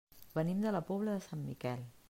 Venim de la Pobla de Sant Miquel.